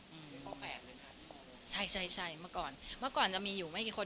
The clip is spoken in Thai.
อืมข้อแฝดเลยค่ะใช่ใช่เมื่อก่อนเมื่อก่อนจะมีอยู่ไม่กี่คน